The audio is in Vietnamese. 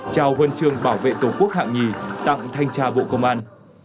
trao huân chương bảo vệ tổng quốc hạng nhì tặng thanh tra bộ công an